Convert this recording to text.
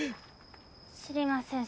知りません。